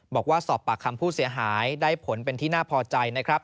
บอกว่าสอบปากคำผู้เสียหายได้ผลเป็นที่น่าพอใจนะครับ